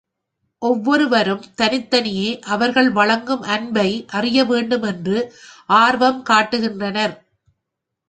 ஒவ்வொருவரும் தனித்தனியே அவர்கள் வழங்கும் அன்பை அறியவேண்டும் என்று ஆர்வம் காட்டுகின்றனர்.